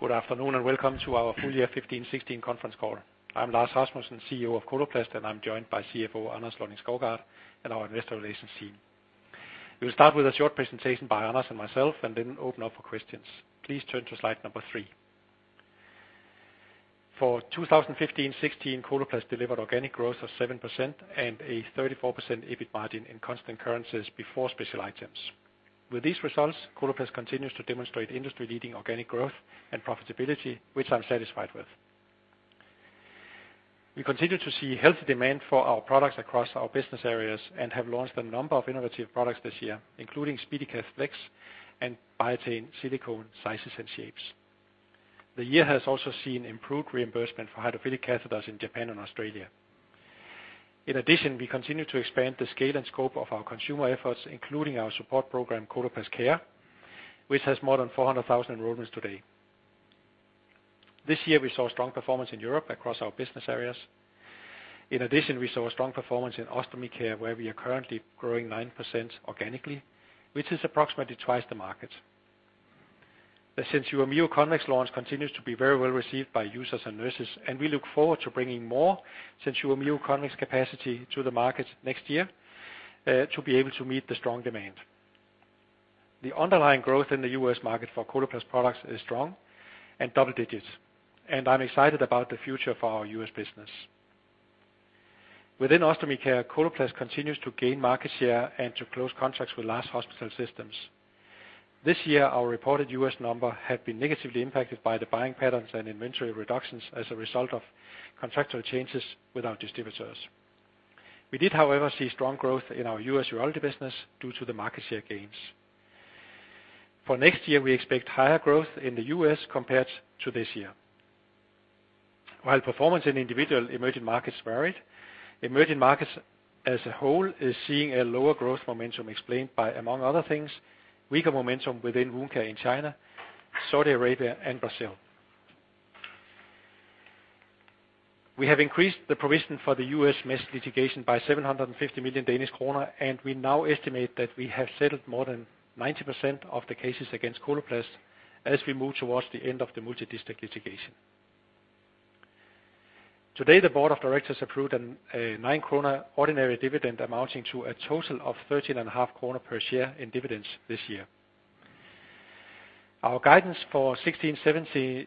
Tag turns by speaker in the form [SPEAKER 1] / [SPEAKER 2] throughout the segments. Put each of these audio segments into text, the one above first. [SPEAKER 1] Good afternoon. Welcome to our full year 2015-2016 conference call. I'm Lars Rasmussen, CEO of Coloplast. I'm joined by CFO Anders Lønning-Skovgaard and our investor relations team. We'll start with a short presentation by Anders and myself, then open up for questions. Please turn to slide number 3. For 2015-2016, Coloplast delivered organic growth of 7% and a 34% EBIT margin in constant currencies before special items. With these results, Coloplast continues to demonstrate industry-leading organic growth and profitability, which I'm satisfied with. We continue to see healthy demand for our products across our business areas and have launched a number of innovative products this year, including SpeediCath Flex and Biatain Silicone sizes and shapes. The year has also seen improved reimbursement for hydrophilic catheters in Japan and Australia. In addition, we continue to expand the scale and scope of our consumer efforts, including our support program, Coloplast Care, which has more than 400,000 enrollments today. This year, we saw strong performance in Europe across our business areas. In addition, we saw a strong performance in Ostomy Care, where we are currently growing 9% organically, which is approximately twice the market. The SenSura Mio Convex launch continues to be very well received by users and nurses, and we look forward to bringing more SenSura Mio Convex capacity to the market next year to be able to meet the strong demand. The underlying growth in the U.S. market for Coloplast products is strong and double digits, and I'm excited about the future of our U.S. business. Within Ostomy Care, Coloplast continues to gain market share and to close contracts with large hospital systems. This year, our reported U.S. number had been negatively impacted by the buying patterns and inventory reductions as a result of contractual changes with our distributors. We did, however, see strong growth in our U.S. urology business due to the market share gains. For next year, we expect higher growth in the U.S. compared to this year. While performance in individual emerging markets varied, emerging markets as a whole is seeing a lower growth momentum explained by, among other things, weaker momentum within wound care in China, Saudi Arabia and Brazil. We have increased the provision for the U.S. mesh litigation by 750 million Danish kroner, and we now estimate that we have settled more than 90% of the cases against Coloplast as we move towards the end of the multidistrict litigation. Today, the board of directors approved a 9 kroner ordinary dividend, amounting to a total of 13 kroner and a half per share in dividends this year. Our guidance for 2016-2017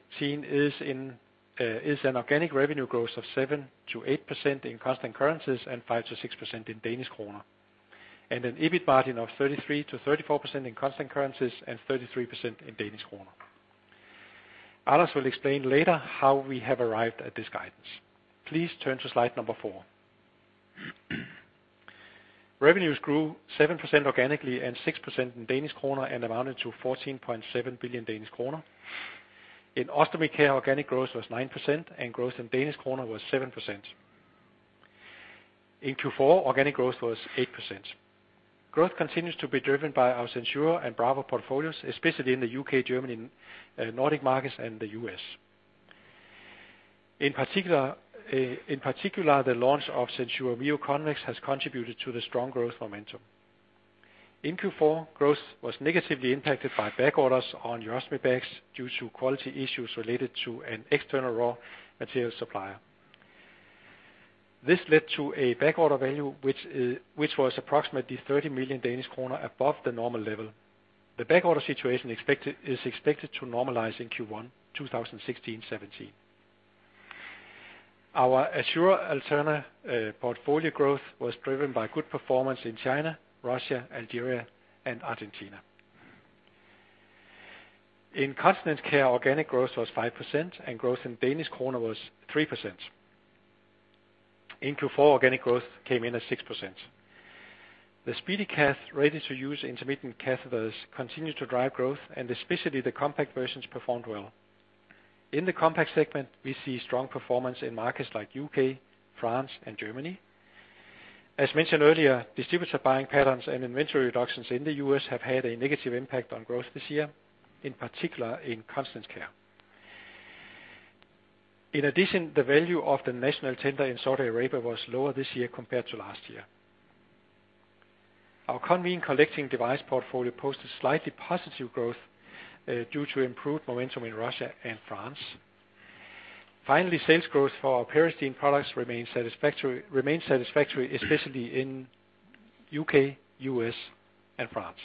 [SPEAKER 1] is an organic revenue growth of 7%-8% in constant currencies and 5%-6% in DKK, and an EBIT margin of 33%-34% in constant currencies and 33% in DKK. Anders will explain later how we have arrived at this guidance. Please turn to slide number 4. Revenues grew 7% organically and 6% in DKK, and amounted to 14.7 billion Danish kroner. In Ostomy Care, organic growth was 9%, and growth in DKK was 7%. In Q4, organic growth was 8%. Growth continues to be driven by our SenSura and Brava portfolios, especially in the UK, Germany, Nordic markets, and the US. In particular, the launch of SenSura Mio Convex has contributed to the strong growth momentum. In Q4, growth was negatively impacted by back orders on urostomy bags due to quality issues related to an external raw material supplier. This led to a back order value, which was approximately 30 million Danish kroner above the normal level. The back order situation is expected to normalize in Q1 2016-2017. Our Assura/Alterna portfolio growth was driven by good performance in China, Russia, Algeria, and Argentina. In Continence Care, organic growth was 5%, and growth in DKK was 3%. In Q4, organic growth came in at 6%. The SpeediCath ready-to-use intermittent catheters continue to drive growth, especially the compact versions performed well. In the compact segment, we see strong performance in markets like UK, France, and Germany. As mentioned earlier, distributor buying patterns and inventory reductions in the US have had a negative impact on growth this year, in particular in Continence Care. In addition, the value of the national tender in Saudi Arabia was lower this year compared to last year. Our Conveen collecting device portfolio posted slightly positive growth due to improved momentum in Russia and France. Finally, sales growth for our Peristeen products remains satisfactory, especially in UK, US, and France.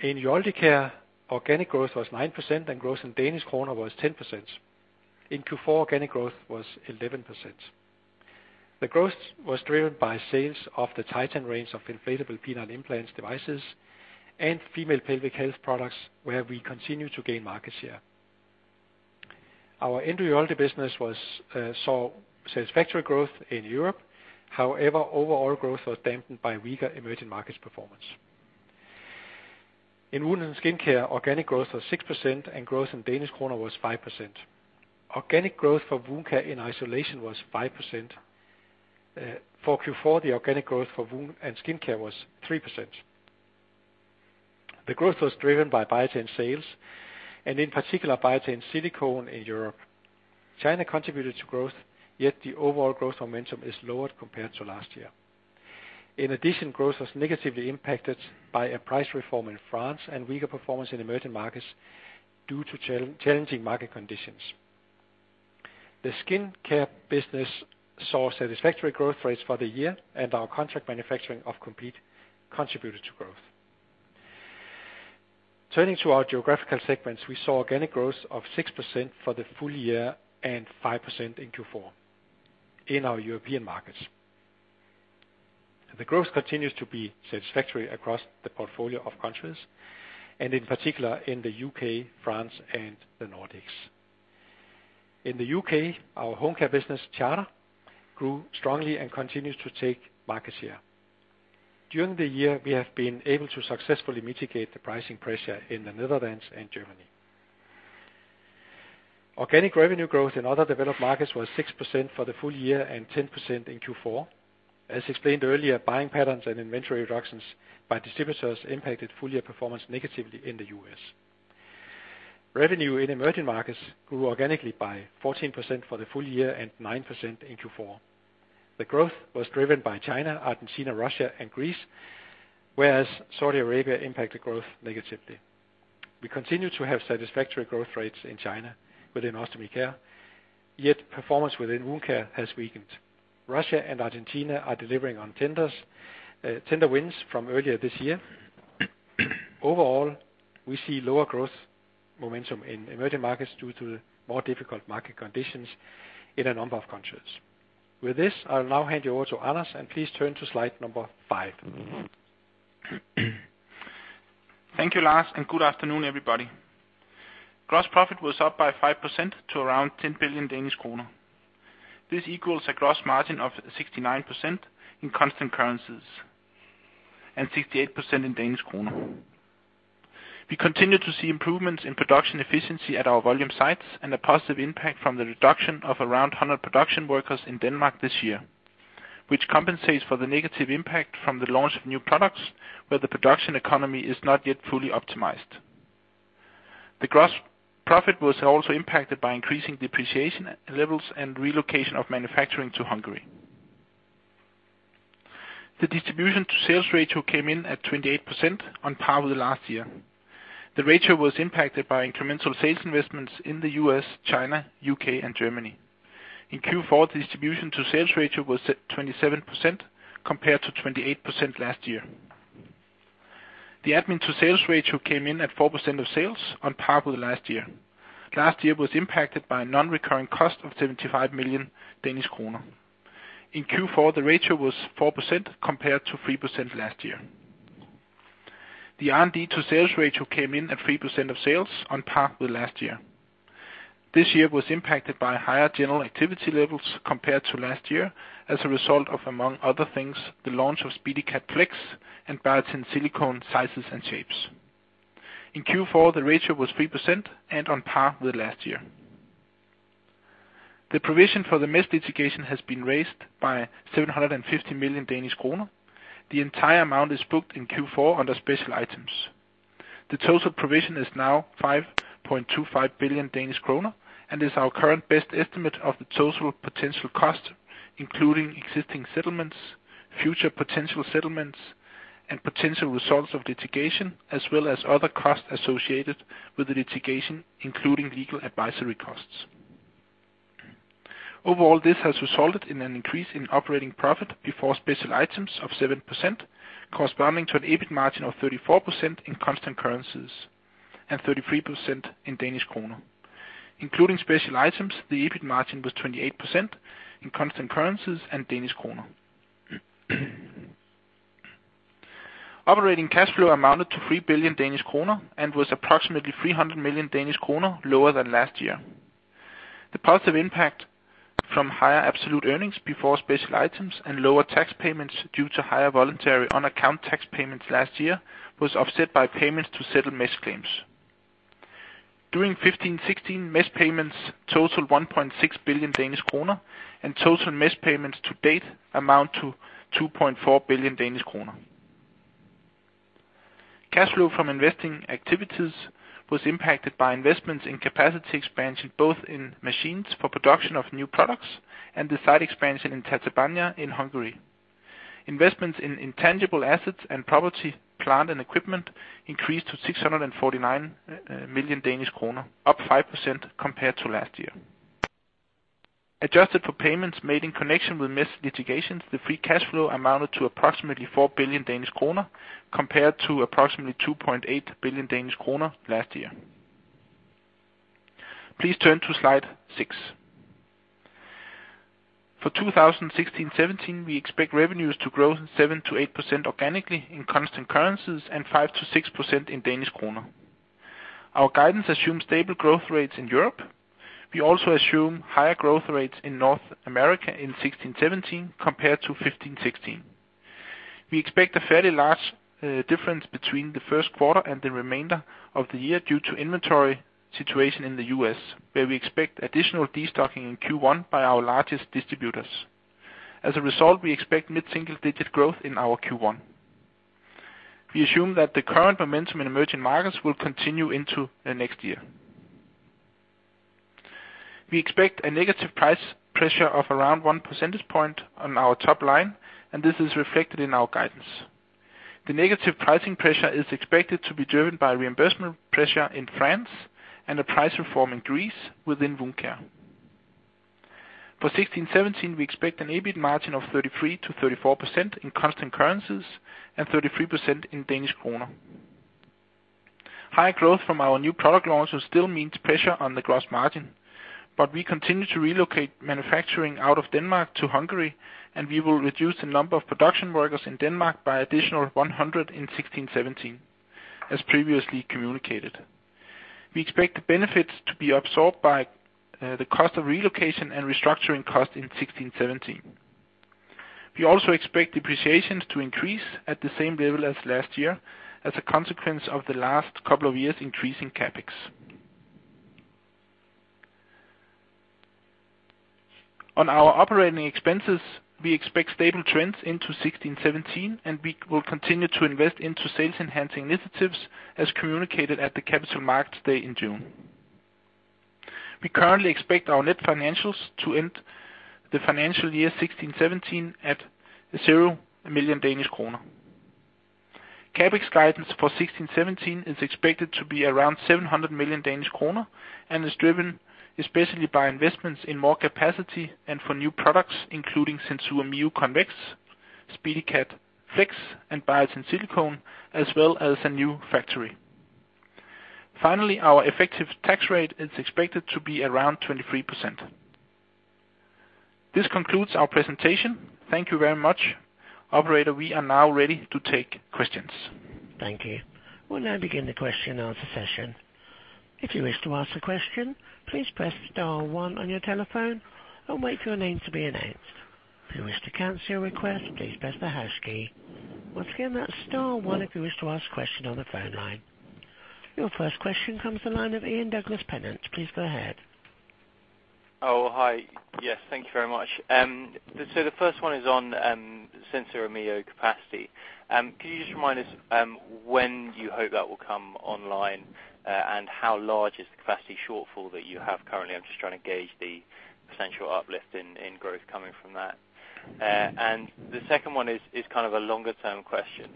[SPEAKER 1] In Urology Care, organic growth was 9%, and growth in Danish kroner was 10%. In Q4, organic growth was 11%. The growth was driven by sales of the Titan range of inflatable penile implant devices and female pelvic health products, where we continue to gain market share. Our Endourology business saw satisfactory growth in Europe. However, overall growth was dampened by weaker emerging markets performance. In Wound & Skin Care, organic growth was 6%, and growth in DKK was 5%. Organic growth for wound care in isolation was 5%. For Q4, the organic growth for Wound & Skin Care was 3%. The growth was driven by Biatain sales, and in particular, Biatain Silicone in Europe. China contributed to growth, yet the overall growth momentum is lowered compared to last year. In addition, growth was negatively impacted by a price reform in France and weaker performance in emerging markets due to challenging market conditions. The Skin Care business saw satisfactory growth rates for the year, and our contract manufacturing of Compeed contributed to growth. Turning to our geographical segments, we saw organic growth of 6% for the full year and 5% in Q4 in our European markets. The growth continues to be satisfactory across the portfolio of countries, and in particular in the U.K., France, and the Nordics. In the U.K., our home care business, Charter, grew strongly and continues to take market share. During the year, we have been able to successfully mitigate the pricing pressure in the Netherlands and Germany. Organic revenue growth in other developed markets was 6% for the full year and 10% in Q4. As explained earlier, buying patterns and inventory reductions by distributors impacted full year performance negatively in the U.S. Revenue in emerging markets grew organically by 14% for the full year and 9% in Q4. The growth was driven by China, Argentina, Russia, and Greece, whereas Saudi Arabia impacted growth negatively. We continue to have satisfactory growth rates in China within Ostomy Care, yet performance within Wound Care has weakened. Russia and Argentina are delivering on tenders, tender wins from earlier this year. Overall, we see lower growth momentum in emerging markets due to more difficult market conditions in a number of countries. With this, I'll now hand you over to Anders, and please turn to slide number 5.
[SPEAKER 2] Thank you, Lars. Good afternoon, everybody. Gross profit was up by 5% to around 10 billion Danish kroner. This equals a gross margin of 69% in constant currencies and 68% in Danish kroner. We continue to see improvements in production efficiency at our volume sites and a positive impact from the reduction of around 100 production workers in Denmark this year, which compensates for the negative impact from the launch of new products, where the production economy is not yet fully optimized. The gross profit was also impacted by increasing depreciation levels and relocation of manufacturing to Hungary. The distribution to sales ratio came in at 28% on par with last year. The ratio was impacted by incremental sales investments in the U.S., China, U.K., and Germany. In Q4, the distribution to sales ratio was at 27% compared to 28% last year. The admin to sales ratio came in at 4% of sales on par with last year. Last year was impacted by a non-recurring cost of 75 million Danish kroner. In Q4, the ratio was 4% compared to 3% last year. The R&D to sales ratio came in at 3% of sales on par with last year. This year was impacted by higher general activity levels compared to last year as a result of, among other things, the launch of SpeediCath Flex and Biatain Silicone sizes and shapes. In Q4, the ratio was 3% and on par with last year. The provision for the mesh litigation has been raised by 750 million Danish kroner. The entire amount is booked in Q4 under special items. The total provision is now 5.25 billion Danish kroner and is our current best estimate of the total potential cost, including existing settlements, future potential settlements, and potential results of litigation, as well as other costs associated with the litigation, including legal advisory costs. This has resulted in an increase in operating profit before special items of 7%, corresponding to an EBIT margin of 34% in constant currencies and 33% in Danish kroner. Including special items, the EBIT margin was 28% in constant currencies and Danish kroner. Operating cash flow amounted to 3 billion Danish kroner and was approximately 300 million Danish kroner lower than last year. The positive impact from higher absolute earnings before special items and lower tax payments due to higher voluntary on account tax payments last year was offset by payments to settle mesh claims. During 2015, 2016, mesh payments totaled 1.6 billion Danish kroner, total mesh payments to date amount to 2.4 billion Danish kroner. Cash flow from investing activities was impacted by investments in capacity expansion, both in machines for production of new products and the site expansion in Tatabánya in Hungary. Investments in intangible assets and property, plant, and equipment increased to 649 million Danish kroner, up 5% compared to last year. Adjusted for payments made in connection with mesh litigations, the free cash flow amounted to approximately 4 billion Danish kroner, compared to approximately 2.8 billion Danish kroner last year. Please turn to slide 6. 2016, 2017, we expect revenues to grow 7%-8% organically in constant currencies and 5%-6% in Danish kroner. Our guidance assumes stable growth rates in Europe. We also assume higher growth rates in North America in 2016, 2017 compared to 2015, 2016. We expect a fairly large difference between the 1st quarter and the remainder of the year due to inventory situation in the US, where we expect additional destocking in Q1 by our largest distributors. As a result, we expect mid-single-digit growth in our Q1. We assume that the current momentum in emerging markets will continue into the next year. We expect a negative price pressure of around 1 percentage point on our top line, and this is reflected in our guidance. The negative pricing pressure is expected to be driven by reimbursement pressure in France and a price reform in Greece within Wound Care. For 2016 2017, we expect an EBIT margin of 33%-34% in constant currencies and 33% in Danish kroner. High growth from our new product launches still means pressure on the gross margin, but we continue to relocate manufacturing out of Denmark to Hungary, and we will reduce the number of production workers in Denmark by additional 100 in 16 17, as previously communicated. We expect the benefits to be absorbed by the cost of relocation and restructuring costs in 16 17. We also expect depreciations to increase at the same level as last year as a consequence of the last couple of years increasing CapEx. On our operating expenses, we expect stable trends into 16 17, and we will continue to invest into sales-enhancing initiatives, as communicated at the Capital Markets Day in June. We currently expect our net financials to end the financial year 16 17 at 0 million Danish kroner. CapEx guidance for 2016-2017 is expected to be around 700 million Danish kroner, and is driven especially by investments in more capacity and for new products, including SenSura Mio Convex, SpeediCath Flex, and Biatain Silicone, as well as a new factory. Finally, our effective tax rate is expected to be around 23%. This concludes our presentation. Thank you very much. Operator, we are now ready to take questions.
[SPEAKER 3] Thank you. We'll now begin the question and answer session. If you wish to ask a question, please press star one on your telephone and wait for your name to be announced. If you wish to cancel your request, please press the hash key. Once again, that's star one if you wish to ask a question on the phone line. Your first question comes the line of Ian Douglas-Pennant. Please go ahead.
[SPEAKER 4] Oh, hi. Yes, thank you very much. The first one is on SenSura Mio capacity. Could you just remind us, when do you hope that will come online, and how large is the capacity shortfall that you have currently? I'm just trying to gauge the potential uplift in growth coming from that. The second one is kind of a longer term question.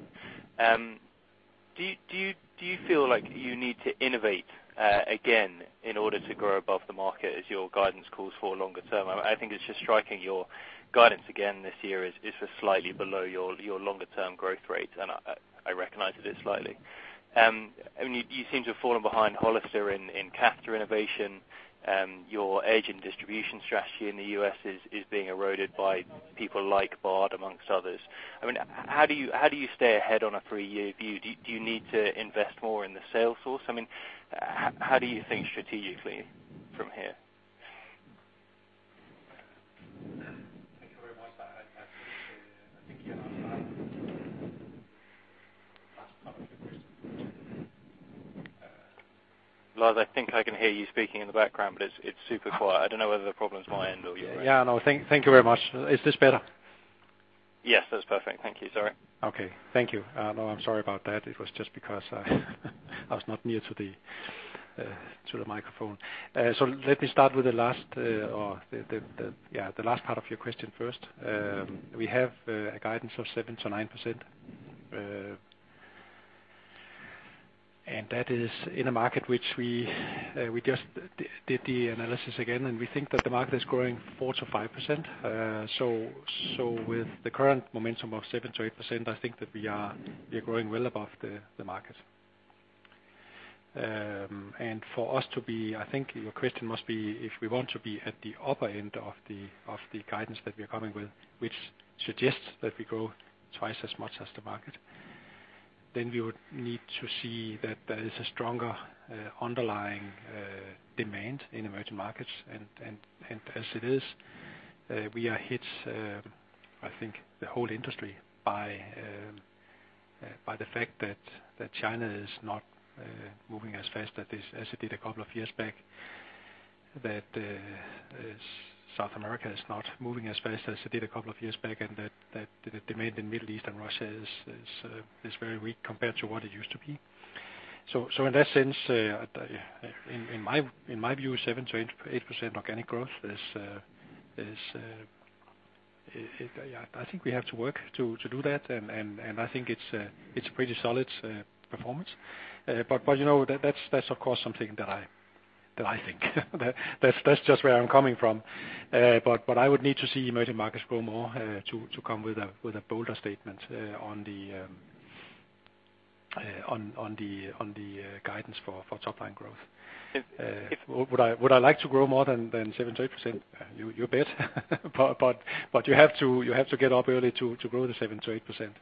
[SPEAKER 4] Do you feel like you need to innovate again in order to grow above the market as your guidance calls for longer term? I think it's just striking your guidance again this year is just slightly below your longer term growth rate, and I recognize it is slightly. I mean, you seem to have fallen behind Hollister in catheter innovation. Your agent distribution strategy in the U.S. is being eroded by people like Bard, amongst others. I mean, how do you, how do you stay ahead on a 3-year view? Do you need to invest more in the sales force? I mean, how do you think strategically from here?
[SPEAKER 2] Thank you very much for that. I think you have, last part of the question.
[SPEAKER 4] Lars, I think I can hear you speaking in the background, but it's super quiet. I don't know whether the problem is my end or your end.
[SPEAKER 1] Yeah, no. Thank you very much. Is this better?
[SPEAKER 4] Yes, that's perfect. Thank you. Sorry.
[SPEAKER 1] Okay. Thank you. No, I'm sorry about that. It was just because I was not near to the microphone. Let me start with the last, or the last part of your question first. We have a guidance of 7% to 9%, and that is in a market which we just did the analysis again, and we think that the market is growing 4% to 5%. With the current momentum of 7% to 8%, I think that we are growing well above the market. I think your question must be, if we want to be at the upper end of the guidance that we are coming with, which suggests that we grow twice as much as the market, then we would need to see that there is a stronger underlying demand in emerging markets. As it is, we are hit, I think, the whole industry by the fact that China is not moving as fast as it did a couple of years back. South America is not moving as fast as it did a couple of years back, and that the demand in Middle East and Russia is very weak compared to what it used to be. In that sense, in my view, 7%-8% organic growth is I think we have to work to do that, and I think it's a pretty solid performance. But, you know, that's of course something that I think. That's just where I'm coming from. But I would need to see emerging markets grow more to come with a bolder statement on the guidance for top line growth.
[SPEAKER 4] If-
[SPEAKER 1] Would I like to grow more than 7% to 8%? You bet. You have to get up early to grow the 7% to 8%.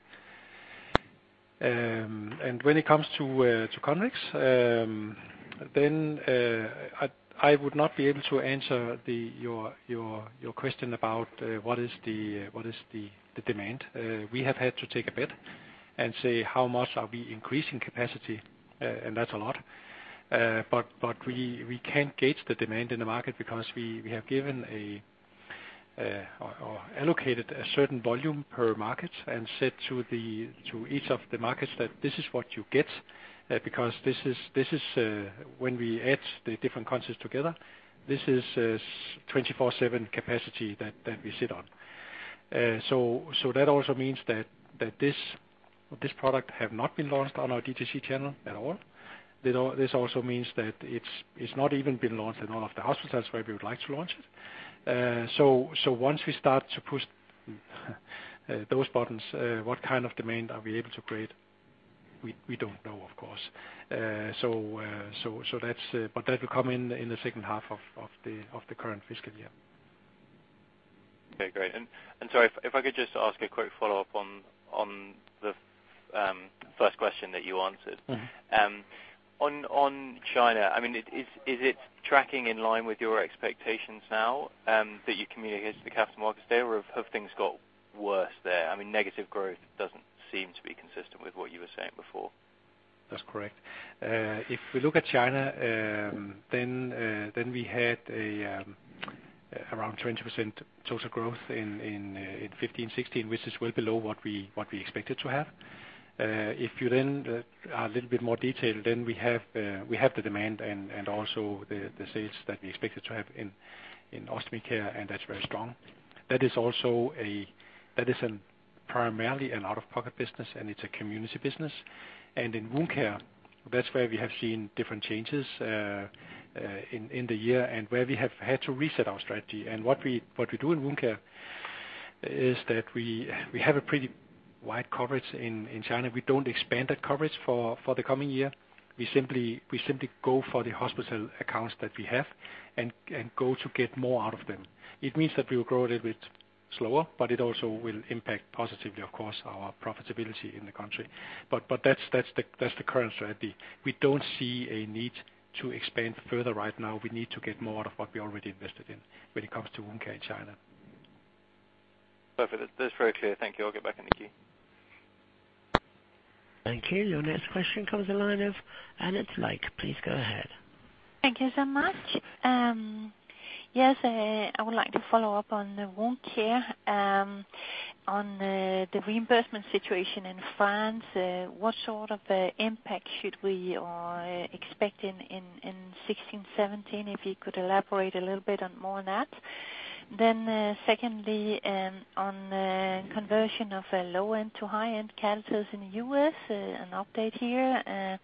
[SPEAKER 1] When it comes to Convex, I would not be able to answer your question about what is the demand. We have had to take a bet and say, how much are we increasing capacity? That's a lot. We can't gauge the demand in the market because we have given a...... Or allocated a certain volume per market and said to the, to each of the markets that this is what you get, because this is, when we add the different countries together, this is 24/7 capacity that we sit on. That also means that this product have not been launched on our DTC channel at all. This also means that it's not even been launched in all of the hospitals where we would like to launch it. Once we start to push those buttons, what kind of demand are we able to create? We don't know, of course. That's. That will come in the second half of the current fiscal year.
[SPEAKER 4] Okay, great. If I could just ask a quick follow-up on the first question that you answered.
[SPEAKER 1] Mm-hmm.
[SPEAKER 4] On China, I mean, is it tracking in line with your expectations now that you communicated to the capital markets there? Have things got worse there? I mean, negative growth doesn't seem to be consistent with what you were saying before.
[SPEAKER 1] That's correct. If we look at China, then we had around 20% total growth in 2015, 2016, which is well below what we expected to have. If you then add a little bit more detail, we have the demand and also the sales that we expected to have in Ostomy Care, and that's very strong. That is also that is an primarily an out-of-pocket business, and it's a community business. In Wound Care, that's where we have seen different changes in the year and where we have had to reset our strategy. What we do in Wound Care is that we have a pretty wide coverage in China. We don't expand that coverage for the coming year. We simply go for the hospital accounts that we have and go to get more out of them. It means that we will grow a little bit slower, but it also will impact positively, of course, our profitability in the country. That's the current strategy. We don't see a need to expand further right now. We need to get more out of what we already invested in when it comes to Wound care in China.
[SPEAKER 4] Perfect. That's very clear. Thank you. I'll get back to queue.
[SPEAKER 3] Thank you. Your next question comes in line of Anette Lykke. Please go ahead.
[SPEAKER 5] Thank you so much. Yes, I would like to follow up on the Wound care on the reimbursement situation in France. What sort of impact should we expect in 2016, 2017? If you could elaborate a little bit on more on that. Secondly, on conversion of a low-end to high-end catheters in the U.S., an update here.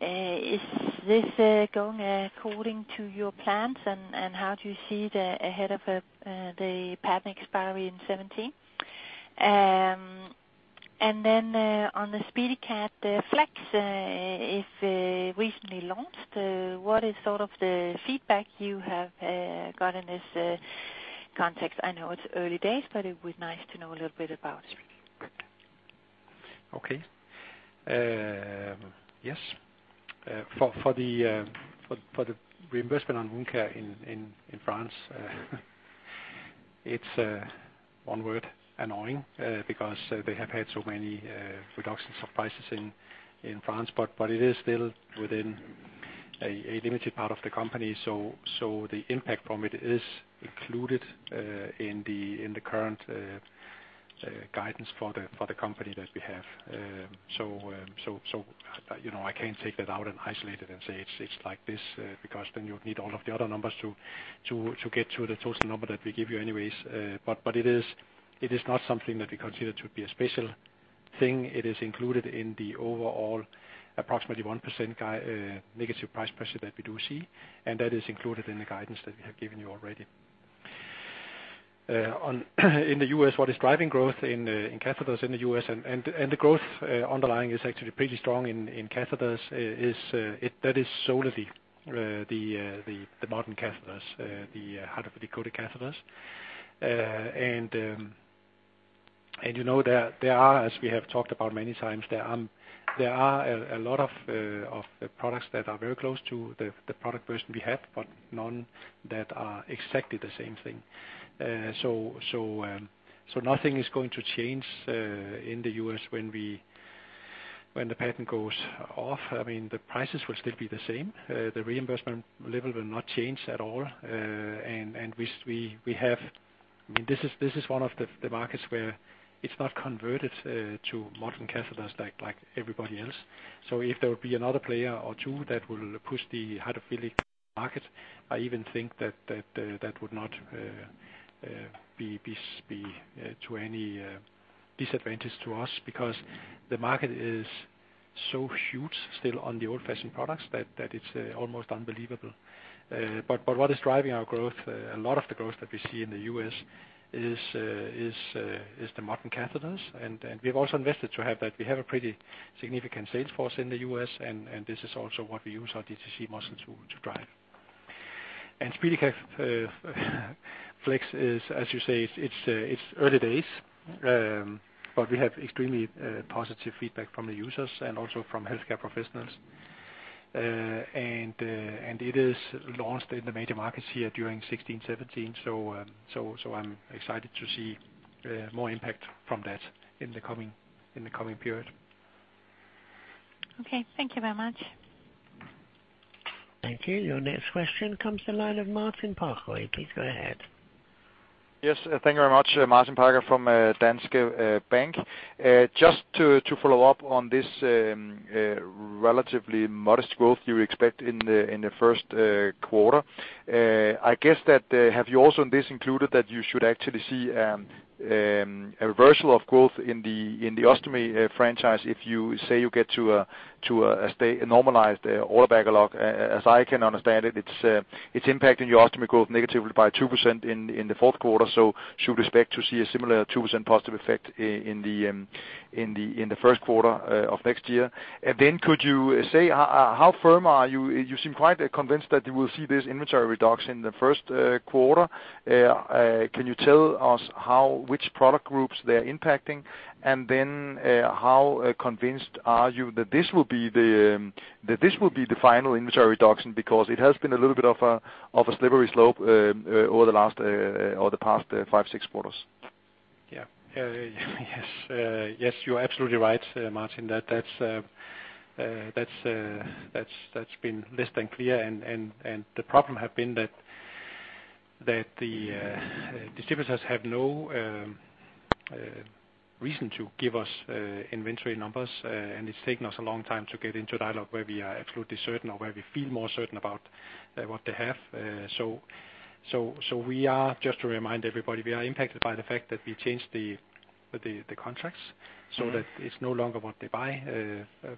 [SPEAKER 5] Is this going according to your plans, how do you see the ahead of the patent expiry in 2017? On the SpeediCath, the Flex, is recently launched. What is sort of the feedback you have got in this context? I know it's early days, but it would be nice to know a little bit about it.
[SPEAKER 1] Okay. Yes. For the reimbursement on Wound Care in France, it's one word, annoying, because they have had so many reductions of prices in France, but it is still within a limited part of the company. The impact from it is included in the current guidance for the company that we have. You know, I can't take that out and isolate it and say it's like this, because then you would need all of the other numbers to get to the total number that we give you anyways. It is not something that we consider to be a special thing. It is included in the overall approximately 1% negative price pressure that we do see. That is included in the guidance that we have given you already. In the U.S., what is driving growth in catheters in the U.S., and the growth underlying is actually pretty strong in catheters, is that is solely the modern catheters, the hydrophilic coated catheters. You know, there are, as we have talked about many times, there are a lot of products that are very close to the product version we have, but none that are exactly the same thing. Nothing is going to change in the U.S. when the patent goes off. I mean, the prices will still be the same. The reimbursement level will not change at all. I mean, this is one of the markets where it's not converted to modern catheters like everybody else. If there would be another player or 2 that will push the hydrophilic market, I even think that would not be to any disadvantage to us because the market is so huge still on the old-fashioned products that it's almost unbelievable. What is driving our growth, a lot of the growth that we see in the U.S. is the modern catheters. We've also invested to have that. We have a pretty significant sales force in the U.S., and this is also what we use our DTC muscle to drive. SpeediCath Flex is, as you say, it's early days, but we have extremely positive feedback from the users and also from healthcare professionals. It is launched in the major markets here during 2016, 2017. I'm excited to see more impact from that in the coming period.
[SPEAKER 5] Okay. Thank you very much.
[SPEAKER 3] Thank you. Your next question comes the line of Martin Parkhøi. Please go ahead.
[SPEAKER 6] Yes, thank you very much. Martin Parkhøi from Danske Bank. Just to follow up on this relatively modest growth you expect in the first quarter. I guess that have you also in this included that you should actually see a reversal of growth in the ostomy franchise if you say you get to a normalized order backlog? As I can understand it's impacting your ostomy growth negatively by 2% in the fourth quarter, so should expect to see a similar 2% positive effect in the first quarter of next year. Could you say how firm are you? You seem quite convinced that you will see this inventory reduction in the first quarter. Can you tell us how, which product groups they are impacting? How convinced are you that this will be the final inventory reduction, because it has been a little bit of a, of a slippery slope, over the last, or the past five, six quarters?
[SPEAKER 1] Yes, yes, you are absolutely right, Martin, that that's been less than clear. The problem have been that the distributors have no reason to give us inventory numbers, and it's taken us a long time to get into a dialogue where we are absolutely certain or where we feel more certain about what they have. We are, just to remind everybody, we are impacted by the fact that we changed the contracts, so that it's no longer what they buy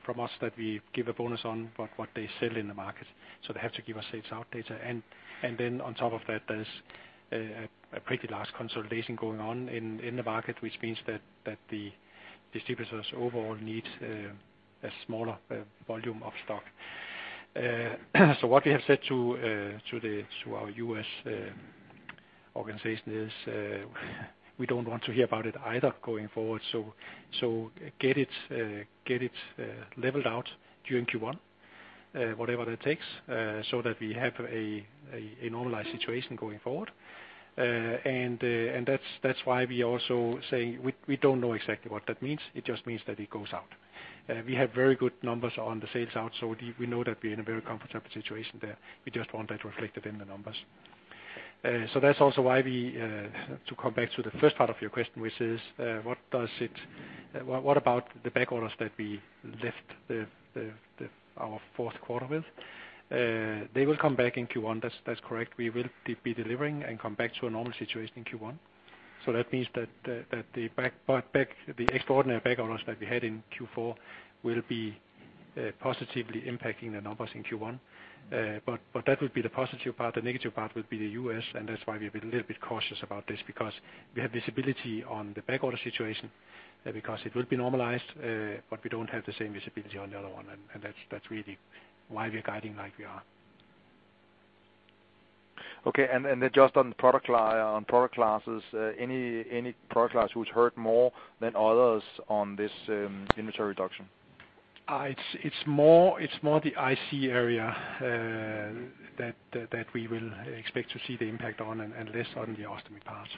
[SPEAKER 1] from us, that we give a bonus on, but what they sell in the market. They have to give us sales out data. Then on top of that, there's a pretty large consolidation going on in the market, which means that the distributors overall need a smaller volume of stock. What we have said to the to our U.S. organization is, we don't want to hear about it either going forward. Get it leveled out during Q1, whatever that takes, so that we have a normalized situation going forward. That's why we also say we don't know exactly what that means. It just means that it goes out. We have very good numbers on the sales out, so we know that we're in a very comfortable situation there. We just want that reflected in the numbers. That's also why we, to come back to the first part of your question, which is, what about the back orders that we left our fourth quarter with? They will come back in Q1. That's correct. We will be delivering and come back to a normal situation in Q1. That means that the extraordinary back orders that we had in Q4 will be positively impacting the numbers in Q1. That would be the positive part. The negative part would be the U.S., and that's why we've been a little bit cautious about this, because we have visibility on the back order situation, because it will be normalized, but we don't have the same visibility on the other one. That's really why we are guiding like we are.
[SPEAKER 6] Okay. Then just on product classes, any product class which hurt more than others on this inventory reduction?
[SPEAKER 1] It's more the IC area that we will expect to see the impact on and less on the ostomy part.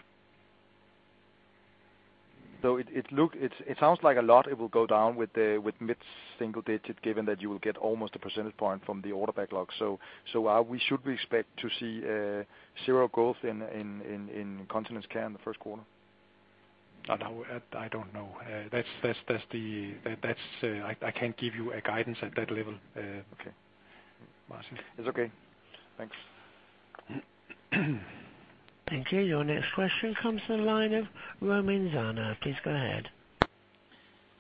[SPEAKER 6] It sounds like a lot, it will go down with the mid single digits, given that you will get almost a percentage point from the order backlog. Are we, should we expect to see zero growth in Continence Care in the first quarter?
[SPEAKER 1] I don't know. I can't give you a guidance at that level.
[SPEAKER 6] Okay.
[SPEAKER 1] Martin.
[SPEAKER 6] It's okay. Thanks.
[SPEAKER 3] Thank you. Your next question comes from the line of Romain Zana. Please go ahead.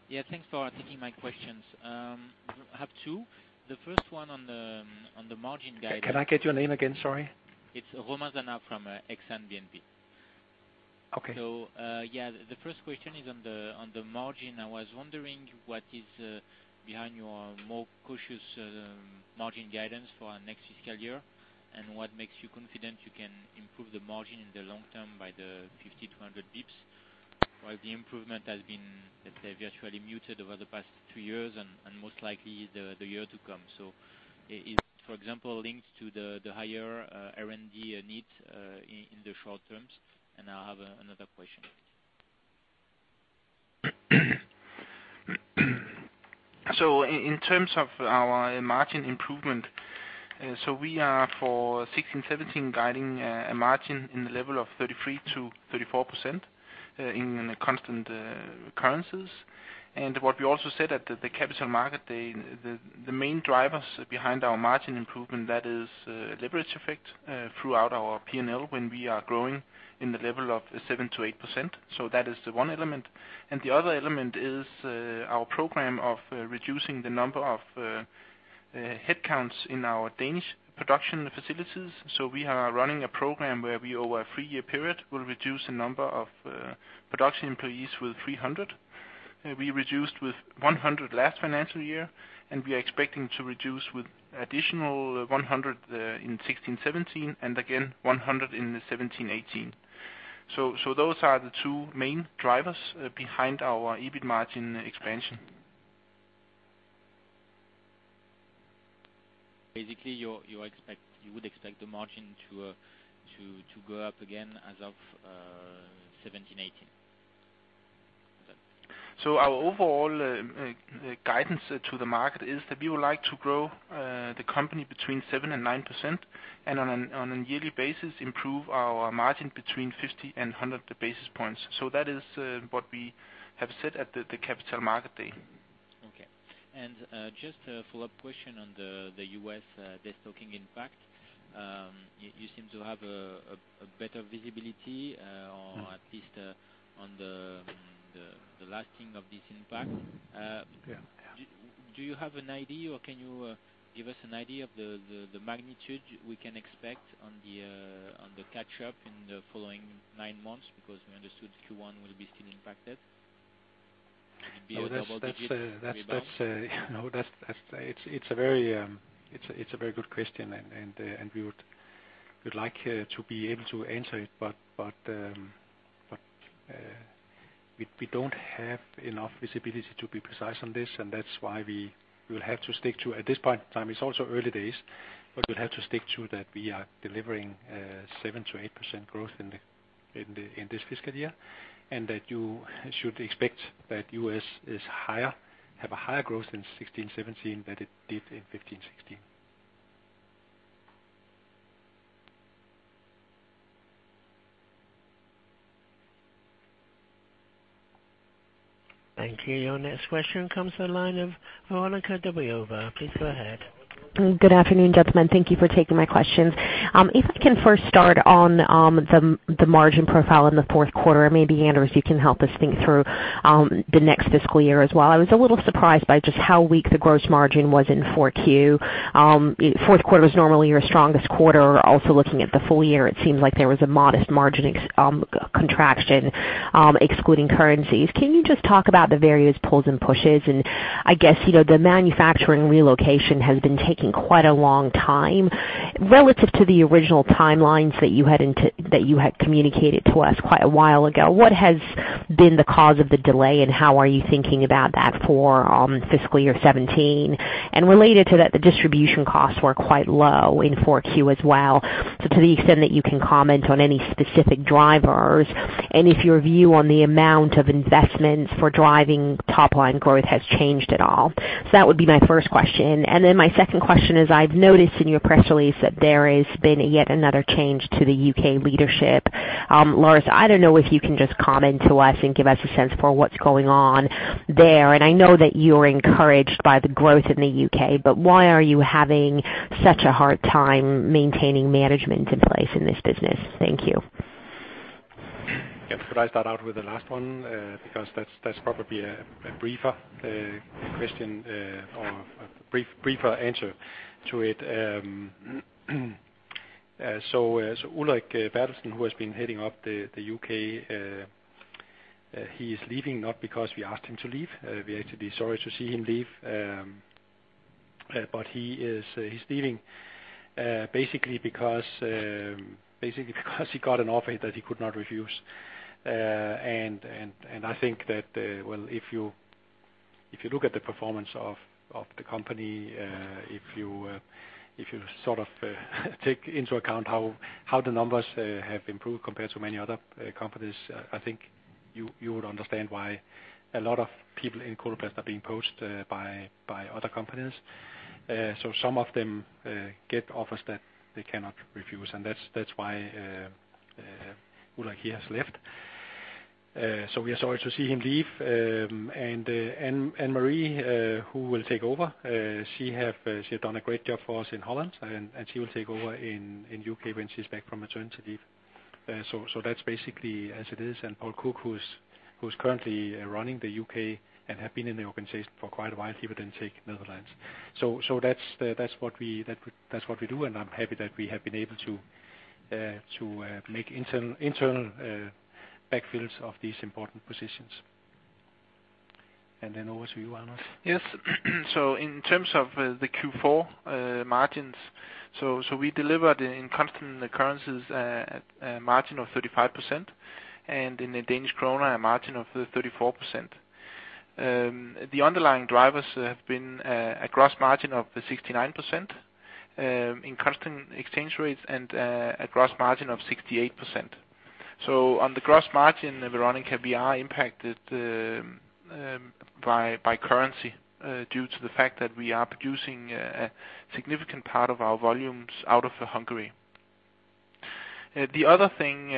[SPEAKER 7] Yeah, thanks for taking my questions. I have 2. The first one on the, on the margin.
[SPEAKER 1] Can I get your name again? Sorry.
[SPEAKER 7] It's Romain Zana from Exane BNP.
[SPEAKER 1] Okay.
[SPEAKER 7] The first question is on the margin. I was wondering what is behind your more cautious margin guidance for our next fiscal year, and what makes you confident you can improve the margin in the long term by the 50 to 100 basis points, while the improvement has been, let's say, virtually muted over the past 2 years and most likely the year to come? Is, for example, linked to the higher R&D needs in the short terms? I'll have another question.
[SPEAKER 1] In terms of our margin improvement, we are for 2016, 2017 guiding a margin in the level of 33%-34% in constant currencies. What we also said at the Capital Markets Day, the main drivers behind our margin improvement, that is leverage effect throughout our P&L when we are growing in the level of 7%-8%. That is the one element. The other element is our program of reducing the number of headcounts in our Danish production facilities. We are running a program where we, over a 3-year period, will reduce the number of production employees with 300. We reduced with 100 last financial year, and we are expecting to reduce with additional 100 in 2016, 2017, and again 100 in 2017, 2018. Those are the two main drivers behind our EBIT margin expansion.
[SPEAKER 7] Basically, you expect, you would expect the margin to go up again as of 2017, 2018?
[SPEAKER 2] Our overall guidance to the market is that we would like to grow the company between 7% and 9%, and on a yearly basis, improve our margin between 50 and 100 basis points. That is what we have said at the Capital Markets Day.
[SPEAKER 7] Okay. Just a follow-up question on the US destocking impact. You seem to have a better visibility or at least on the lasting of this impact.
[SPEAKER 2] Yeah. Yeah.
[SPEAKER 7] Do you have an idea or can you give us an idea of the magnitude we can expect on the catch up in the following nine months? We understood Q1 will be still impacted. It'd be a double-digit rebound.
[SPEAKER 1] That's, you know, that's, it's a very good question, and we would, we'd like to be able to answer it, but we don't have enough visibility to be precise on this, and that's why we'll have to stick to, at this point in time, it's also early days, but we'll have to stick to that we are delivering 7% to 8% growth in the in this fiscal year. You should expect that U.S. have a higher growth in 2016, 2017, than it did in 2015, 2016.
[SPEAKER 3] Thank you. Your next question comes from the line of Veronika Dubrovytska. Please go ahead.
[SPEAKER 8] Good afternoon, gentlemen. Thank you for taking my questions. If we can first start on the margin profile in the fourth quarter, and maybe, Anders, you can help us think through the next fiscal year as well. I was a little surprised by just how weak the gross margin was in 4Q. Fourth quarter is normally your strongest quarter. Looking at the full year, it seems like there was a modest margin contraction, excluding currencies. Can you just talk about the various pulls and pushes? I guess, you know, the manufacturing relocation has been taking quite a long time. Relative to the original timelines that you had communicated to us quite a while ago, what has been the cause of the delay, and how are you thinking about that for fiscal year 2017? Related to that, the distribution costs were quite low in 4Q as well. To the extent that you can comment on any specific drivers, and if your view on the amount of investments for driving top line growth has changed at all? That would be my first question. My second question is, I've noticed in your press release that there has been yet another change to the UK leadership. Lars, I don't know if you can just comment to us and give us a sense for what's going on there, and I know that you're encouraged by the growth in the UK, but why are you having such a hard time maintaining management in place in this business? Thank you.
[SPEAKER 1] Yes, could I start out with the last one? That's probably a briefer question or a briefer answer to it. Ulrik Berthelsen, who has been heading up the UK, he's leaving, not because we asked him to leave. We're actually sorry to see him leave. He's leaving basically because he got an offer that he could not refuse. I think that, well, if you look at the performance of the company, if you sort of take into account how the numbers have improved compared to many other companies, I think you would understand why a lot of people in Coloplast are being approached by other companies. Some of them get offers that they cannot refuse, and that's why Ulrich, he has left. We are sorry to see him leave. Anne Marie, who will take over, she have, she has done a great job for us in Holland, and she will take over in U.K. when she's back from maternity leave. That's basically as it is. Paul Cooke, who's currently running the UK and have been in the organization for quite a while, he will then take Netherlands. That's what we do, and I'm happy that we have been able to make internal backfills of these important positions. Then over to you, Anders.
[SPEAKER 2] Yes. In terms of the Q4 margins, so we delivered in constant currencies a margin of 35%, and in the Danish krona, a margin of 34%. The underlying drivers have been a gross margin of 69% in constant exchange rates, and a gross margin of 68%. On the gross margin, Veronica, we are impacted by currency due to the fact that we are producing a significant part of our volumes out of Hungary. The other thing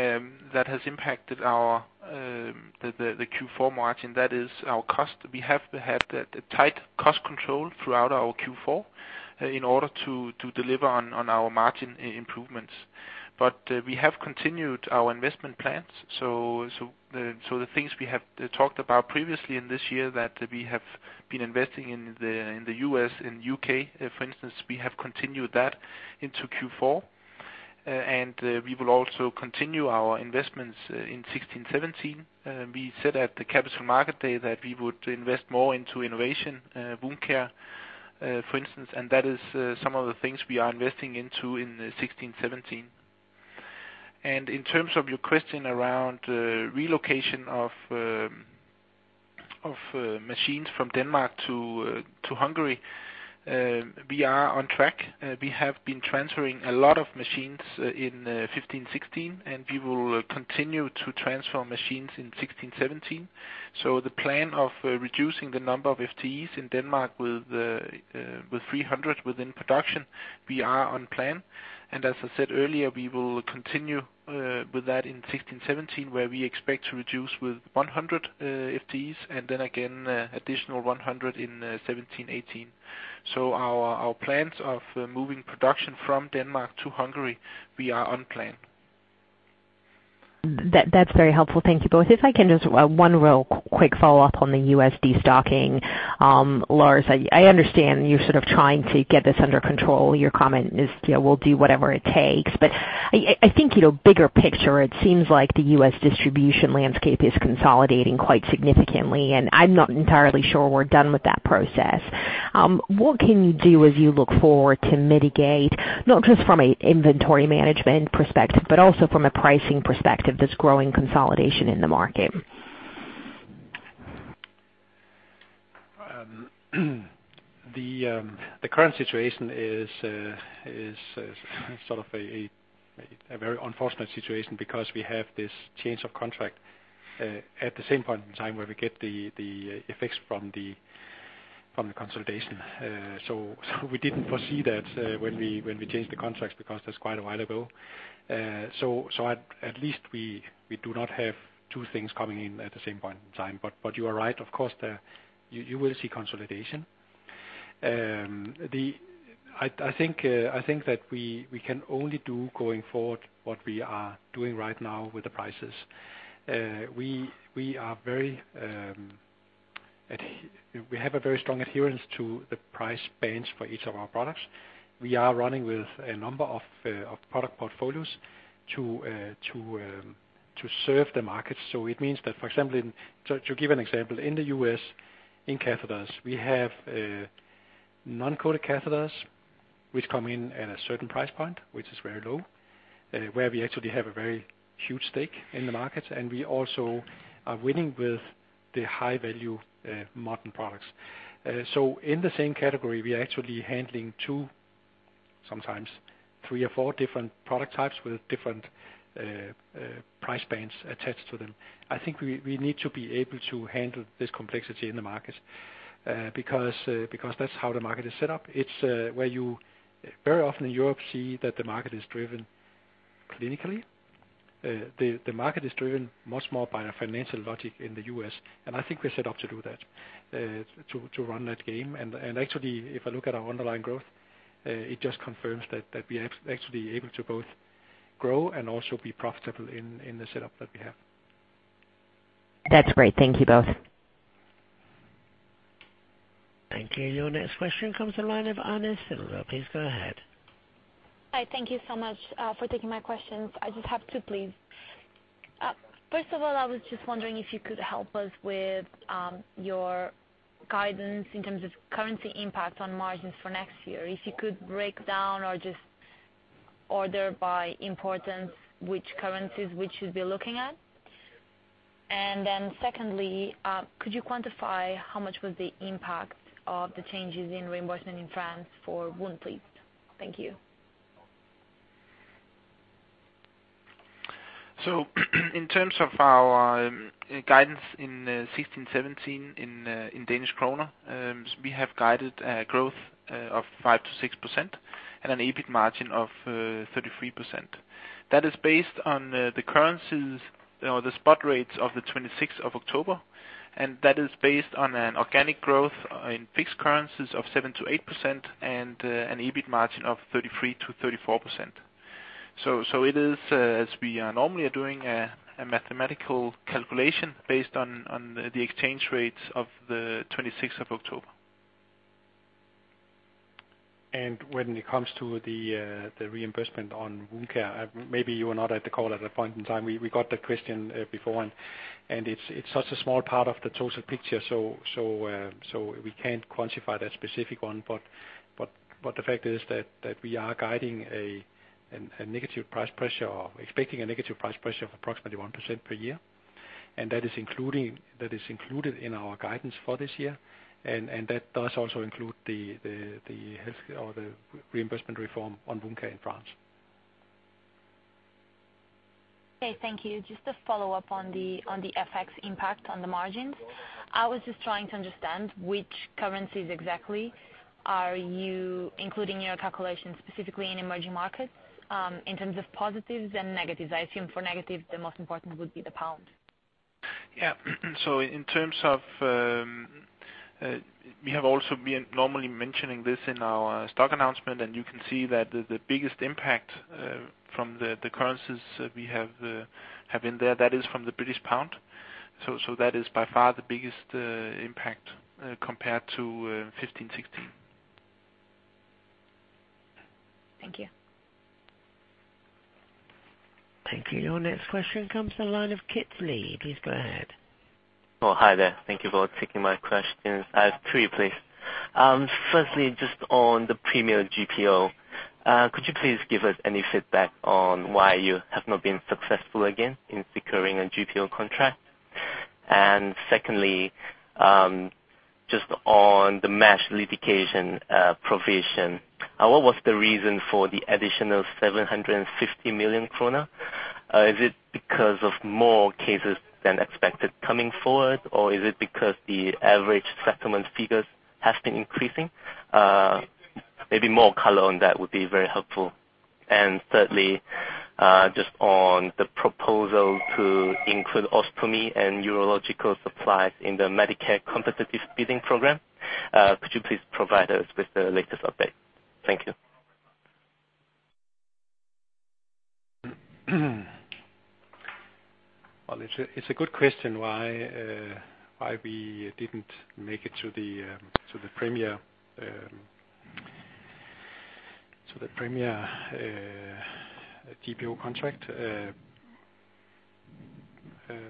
[SPEAKER 2] that has impacted our the Q4 margin, that is our cost. We have had a tight cost control throughout our Q4 in order to deliver on our margin improvements. We have continued our investment plans, the things we have talked about previously in this year, that we have been investing in the U.S. and U.K., for instance, we have continued that into Q4. We will also continue our investments in 2016, 2017. We said at the Capital Markets Day that we would invest more into innovation, Wound Care, for instance, and that is some of the things we are investing into in 2016, 2017. In terms of your question around relocation of machines from Denmark to Hungary, we are on track. We have been transferring a lot of machines in 2015, 2016, and we will continue to transfer machines in 2016, 2017. The plan of reducing the number of FTEs in Denmark with 300 within production, we are on plan. As I said earlier, we will continue with that in 2016, 2017, where we expect to reduce with 100 FTEs, and then again, additional 100 in 2017, 2018. Our, our plans of moving production from Denmark to Hungary, we are on plan.
[SPEAKER 8] That's very helpful. Thank you both. If I can just one real quick follow-up on the U.S. destocking. Lars, I understand you're sort of trying to get this under control. Your comment is, you know, we'll do whatever it takes. I think, you know, bigger picture, it seems like the U.S. distribution landscape is consolidating quite significantly, and I'm not entirely sure we're done with that process. What can you do as you look forward to mitigate, not just from an inventory management perspective, but also from a pricing perspective, this growing consolidation in the market?
[SPEAKER 1] The current situation is sort of a very unfortunate situation because we have this change of contract at the same point in time where we get the effects from the consolidation. We didn't foresee that when we changed the contracts, because that's quite a while ago. At least we do not have two things coming in at the same point in time. You are right, of course, you will see consolidation. I think that we can only do going forward, what we are doing right now with the prices. We have a very strong adherence to the price bands for each of our products. We are running with a number of product portfolios to serve the market. It means that, for example, to give an example, in the U.S., in catheters, we have non-coated catheters, which come in at a certain price point, which is very low, where we actually have a very huge stake in the market, and we also are winning with the high-value modern products. In the same category, we are actually handling two, sometimes three or four different product types with different price bands attached to them. I think we need to be able to handle this complexity in the market, because that's how the market is set up. It's where you very often in Europe see that the market is driven clinically. The market is driven much more by a financial logic in the U.S., and I think we're set up to do that, to run that game. Actually, if I look at our underlying growth, it just confirms that we are actually able to both grow and also be profitable in the setup that we have.
[SPEAKER 8] That's great. Thank you both.
[SPEAKER 3] Thank you. Your next question comes the line of Inês Silva. Please go ahead.
[SPEAKER 9] Hi. Thank you so much for taking my questions. I just have 2, please. First of all, I was just wondering if you could help us with your guidance in terms of currency impact on margins for next year. If you could break down or just order by importance, which currencies we should be looking at? Secondly, could you quantify how much was the impact of the changes in reimbursement in France for Wound, please? Thank you.
[SPEAKER 2] In terms of our guidance in 2016, 2017, in Danish kroner, we have guided growth of 5%-6% and an EBIT margin of 33%. That is based on the currencies or the spot rates of the 26th of October, and that is based on an organic growth in fixed currencies of 7%-8% and an EBIT margin of 33%-34%. It is as we are normally doing, a mathematical calculation based on the exchange rates of the 26th of October.
[SPEAKER 1] When it comes to the reimbursement on wound care, maybe you were not at the call at that point in time. We got the question before, and it's such a small part of the total picture, so we can't quantify that specific one. The fact is that we are guiding a negative price pressure or expecting a negative price pressure of approximately 1% per year. That is included in our guidance for this year, and that does also include the health or the reimbursement reform on wound care in France.
[SPEAKER 9] Thank you. Just to follow up on the FX impact on the margins. I was just trying to understand which currencies exactly are you including in your calculations, specifically in emerging markets, in terms of positives and negatives. I assume for negatives, the most important would be the pound.
[SPEAKER 2] In terms of, we have also been normally mentioning this in our stock announcement, and you can see that the biggest impact from the currencies we have have in there, that is from the British pound. That is by far the biggest impact compared to 2015-2016.
[SPEAKER 9] Thank you.
[SPEAKER 3] Thank you. Your next question comes from the line of Yi-Dan Wang. Please go ahead.
[SPEAKER 10] Hi there. Thank you for taking my questions. I have three, please. Firstly, just on the Premier GPO, could you please give us any feedback on why you have not been successful again in securing a GPO contract? ...Secondly, just on the mesh litigation provision, what was the reason for the additional 750 million krone? Is it because of more cases than expected coming forward, or is it because the average settlement figures have been increasing? Maybe more color on that would be very helpful. Thirdly, just on the proposal to include ostomy and urological supplies in the Medicare Competitive Bidding Program, could you please provide us with the latest update? Thank you.
[SPEAKER 1] Well, it's a good question, why we didn't make it to the Premier GPO contract.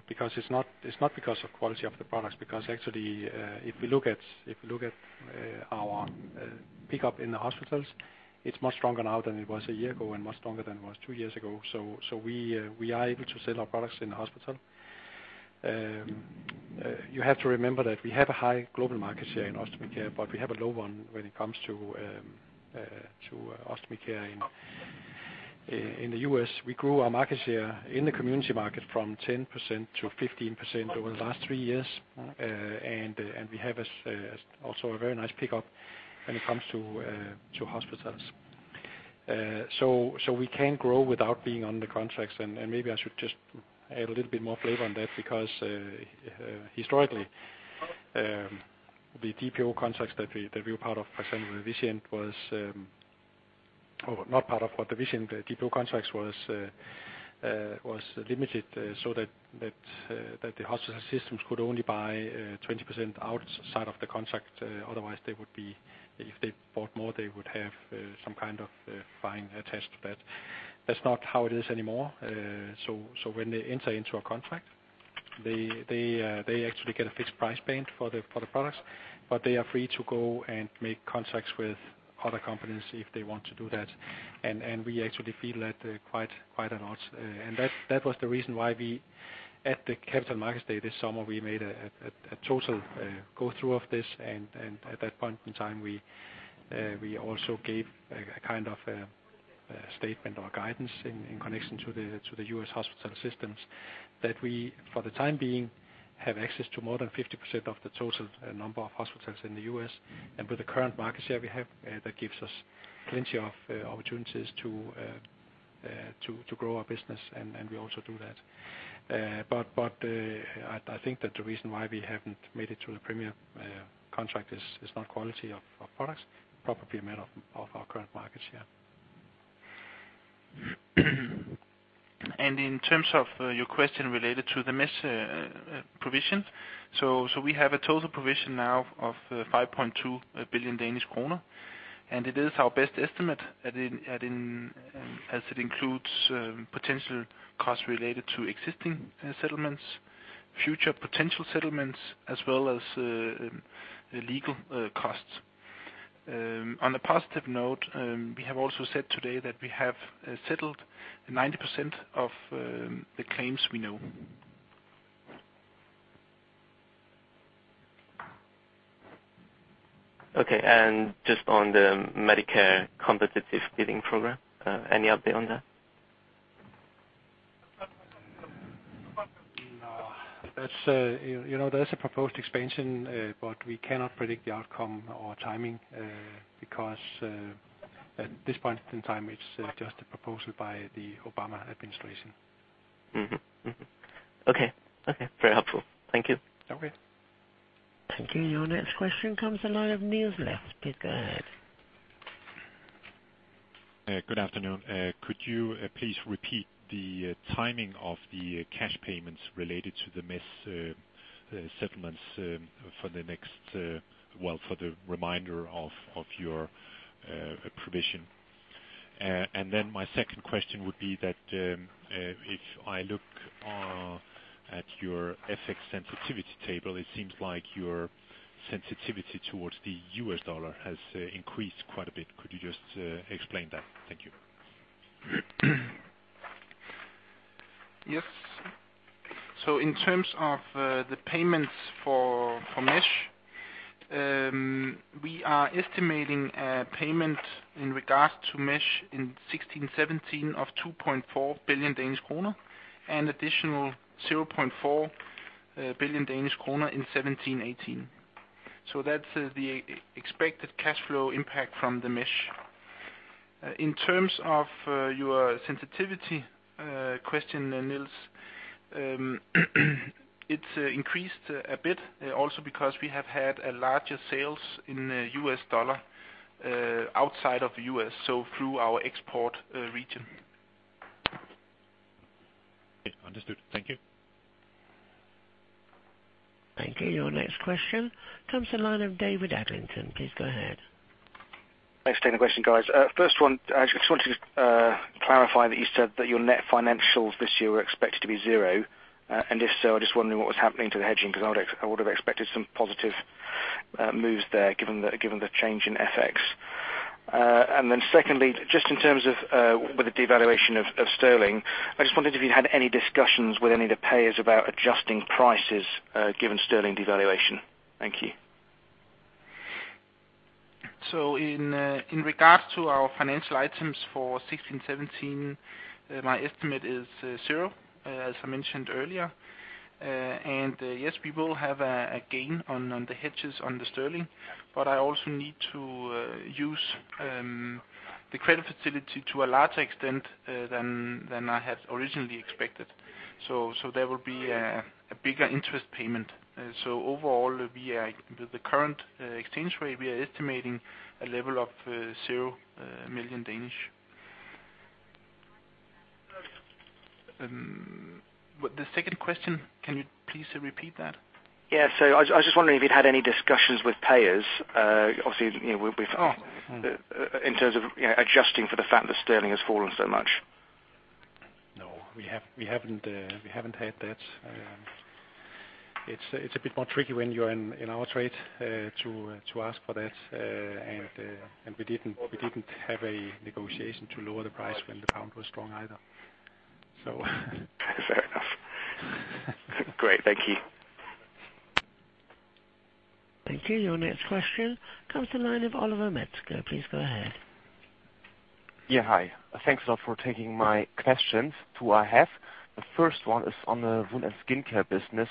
[SPEAKER 1] Because it's not because of quality of the products, because actually, if you look at our pickup in the hospitals, it's much stronger now than it was a year ago and much stronger than it was 2 years ago. We are able to sell our products in the hospital. You have to remember that we have a high global market share in Ostomy Care, but we have a low one when it comes to Ostomy Care in the U.S. We grew our market share in the community market from 10% to 15% over the last 3 years. We have also a very nice pickup when it comes to hospitals. We can grow without being on the contracts, and maybe I should just add a little bit more flavor on that because historically, the GPO contracts that we were part of, was limited, so that the hospital systems could only buy 20% outside of the contract. Otherwise, if they bought more, they would have some kind of fine attached to that. That's not how it is anymore. When they enter into a contract, they actually get a fixed price point for the products, but they are free to go and make contracts with other companies if they want to do that. We actually feel that a lot. That was the reason why we at the Capital Markets Day this summer, we made a total go through of this. At that point in time, we also gave a kind of statement or guidance in connection to the U.S. hospital systems, that we, for the time being, have access to more than 50% of the total number of hospitals in the U.S. With the current market share we have, that gives us plenty of opportunities to grow our business, and we also do that. I think that the reason why we haven't made it to the Premier contract is not quality of products, probably a matter of our current market share.
[SPEAKER 2] In terms of your question related to the mesh provision, so we have a total provision now of 5.2 billion Danish kroner, and it is our best estimate as it includes potential costs related to existing settlements, future potential settlements, as well as legal costs. On a positive note, we have also said today that we have settled 90% of the claims we know.
[SPEAKER 10] Okay. Just on the Medicare Competitive Bidding Program, any update on that?
[SPEAKER 1] No, you know, there's a proposed expansion, but we cannot predict the outcome or timing, because, at this point in time, it's just a proposal by the Obama administration.
[SPEAKER 10] Mm-hmm. Mm-hmm. Okay. Okay. Very helpful. Thank you.
[SPEAKER 1] Okay.
[SPEAKER 3] Thank you. Your next question comes the line of Niels Ladefoged. Please go ahead.
[SPEAKER 11] Good afternoon. Could you please repeat the timing of the cash payments related to the mesh settlements for the next, well, for the remainder of your provision? My second question would be that if I look at your FX sensitivity table, it seems like your sensitivity towards the US dollar has increased quite a bit. Could you just explain that? Thank you.
[SPEAKER 2] Yes. In terms of the payments for mesh, we are estimating a payment in regards to mesh in 2016, 2017 of 2.4 billion Danish kroner and additional 0.4 billion Danish kroner in 2017, 2018. That's the expected cash flow impact from the mesh. In terms of your sensitivity question, Niels, it's increased a bit also because we have had a larger sales in U.S. dollar outside of the U.S., so through our export region.
[SPEAKER 11] Okay. Understood. Thank you.
[SPEAKER 3] Thank you. Your next question comes the line of David Adlington. Please go ahead.
[SPEAKER 12] Thanks for taking the question, guys. First one, I just wanted to clarify that you said that your net financials this year were expected to be 0. If so, I just wondering what was happening to the hedging, because I would have expected some positive moves there, given the change in FX? Secondly, just in terms of with the devaluation of sterling, I just wondered if you'd had any discussions with any of the payers about adjusting prices given sterling devaluation? Thank you.
[SPEAKER 1] In regards to our financial items for 2016-2017, my estimate is 0, as I mentioned earlier. And yes, we will have a gain on the hedges on the sterling, but I also need to use the credit facility to a larger extent than I had originally expected. There will be a bigger interest payment. Overall, we are, with the current exchange rate, we are estimating a level of 0 million. What the second question, can you please repeat that?
[SPEAKER 12] Yeah. I was just wondering if you'd had any discussions with payers, obviously, you know.
[SPEAKER 1] Oh.
[SPEAKER 12] In terms of, you know, adjusting for the fact that sterling has fallen so much.
[SPEAKER 1] No, we haven't had that. It's a bit more tricky when you're in our trade to ask for that, and we didn't have a negotiation to lower the price when the British pound was strong either, so.
[SPEAKER 12] Fair enough. Great. Thank you.
[SPEAKER 3] Thank you. Your next question comes the line of Oliver Metzger. Please go ahead.
[SPEAKER 13] Yeah, hi. Thanks a lot for taking my questions, 2 I have. The first one is on the Wound & Skin Care business.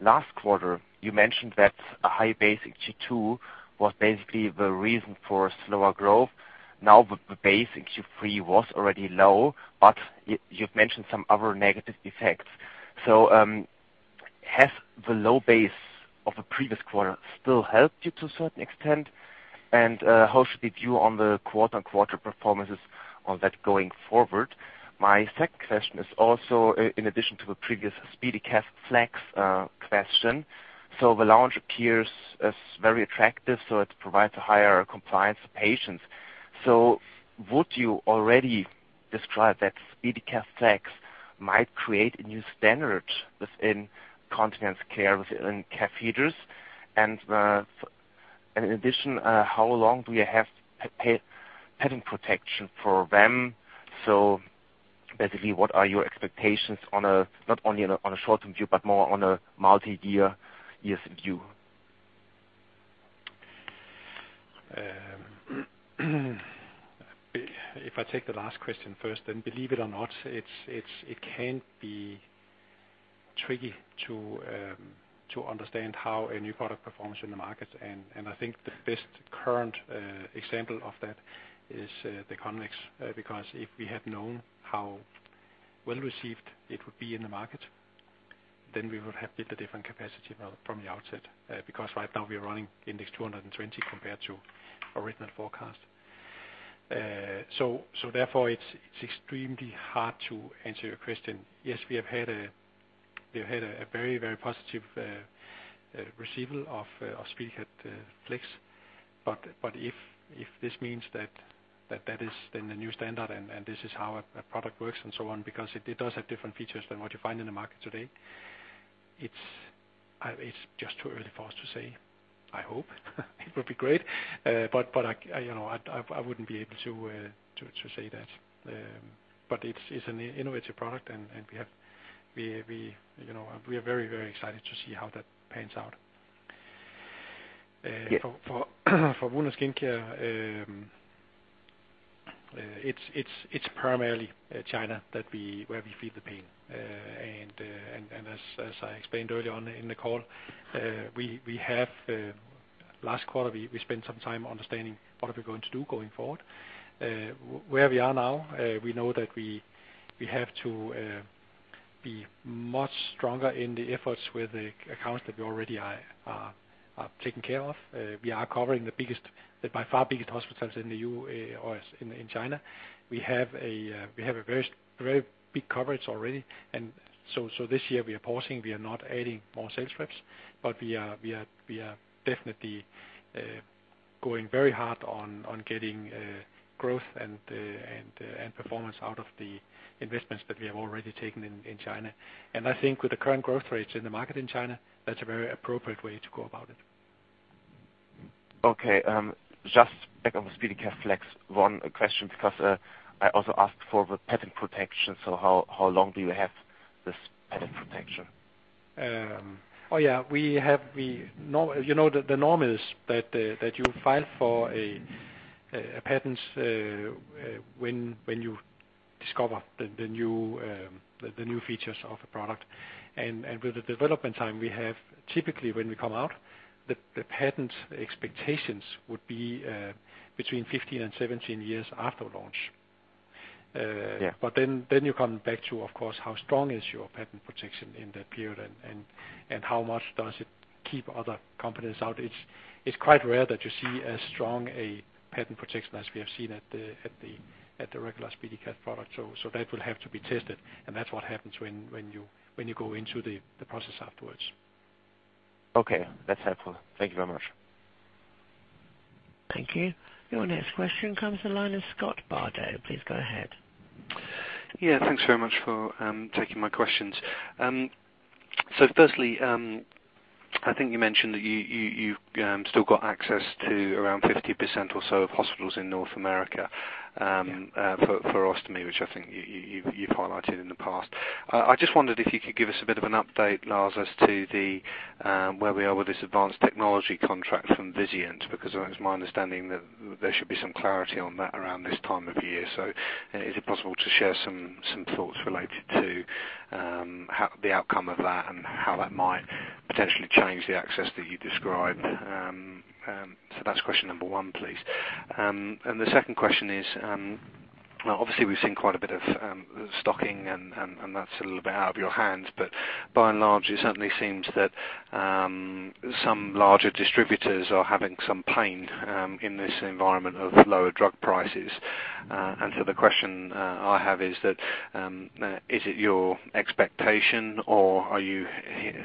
[SPEAKER 13] Last quarter, you mentioned that a high basic Q2 was basically the reason for slower growth. Now, the basic Q3 was already low, but you've mentioned some other negative effects. Has the low base of the previous quarter still helped you to a certain extent? How should we view on the quarter-over-quarter performances on that going forward? My second question is also in addition to the previous SpeediCath Flex question. The launch appears as very attractive, so it provides a higher compliance to patients. Would you already describe that SpeediCath Flex might create a new standard within Continence Care, within catheters? In addition, how long do you have patent protection for them? Basically, what are your expectations on a, not only on a short-term view, but more on a multi-year years view?
[SPEAKER 1] If I take the last question first, then believe it or not, it can be tricky to understand how a new product performs in the market. I think the best current example of that is the Conveen. Because if we had known how well received it would be in the market, then we would have built a different capacity from the outset. Because right now we are running index 220 compared to original forecast. Therefore, it's extremely hard to answer your question. Yes, we have had a very, very positive receival of SpeediCath Flex. If this means that is then the new standard and this is how a product works and so on, because it does have different features than what you find in the market today, it's just too early for us to say. I hope it would be great, but I, you know, I wouldn't be able to say that. But it's an innovative product, and we, you know, we are very, very excited to see how that pans out.
[SPEAKER 13] Yeah.
[SPEAKER 1] For Wound & Skin Care, it's primarily China, where we feel the pain. As I explained earlier on in the call, Last quarter, we spent some time understanding what are we going to do going forward. Where we are now, we know that we have to be much stronger in the efforts with the accounts that we already are taking care of. We are covering the biggest, the by far biggest hospitals in the EU or in China. We have a very big coverage already, this year we are pausing. We are not adding more sales reps. We are definitely going very hard on getting growth and performance out of the investments that we have already taken in China. I think with the current growth rates in the market in China, that's a very appropriate way to go about it.
[SPEAKER 13] Okay, just back on the SpeediCath Flex, one question, because I also asked for the patent protection. How long do you have this patent protection?
[SPEAKER 1] Oh, yeah, we have. You know, the norm is that you file for a patent when you discover the new features of a product. With the development time we have, typically when we come out, the patent expectations would be between 15 and 17 years after launch.
[SPEAKER 13] Yeah.
[SPEAKER 1] Then you come back to, of course, how strong is your patent protection in that period, and how much does it keep other companies out? It's quite rare that you see as strong a patent protection as we have seen at the regular SpeediCath product. That will have to be tested, and that's what happens when you go into the process afterwards.
[SPEAKER 13] Okay, that's helpful. Thank you very much.
[SPEAKER 3] Thank you. Your next question comes the line of Scott Bardo. Please go ahead.
[SPEAKER 14] Yeah, thanks very much for taking my questions. Firstly, I think you mentioned that you've still got access to around 50% or so of hospitals in North America for ostomy, which I think you've highlighted in the past. I just wondered if you could give us a bit of an update, Lars, as to where we are with this advanced technology contract from Vizient, because it was my understanding that there should be some clarity on that around this time of year. Is it possible to share some thoughts related to how the outcome of that and how that might potentially change the access that you describe? That's question number one, please. The second question is, well, obviously, we've seen quite a bit of stocking, and that's a little bit out of your hands, but by and large, it certainly seems that some larger distributors are having some pain in this environment of lower drug prices. The question I have is that, is it your expectation or are you